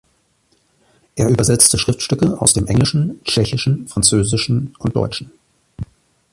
Er übersetzte Schriftstücke aus dem Englischen, Tschechischen, Französischen und Deutschen.